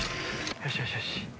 よしよしよし。